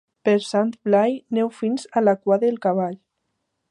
Per Sant Blai neu fins a la cua del cavall.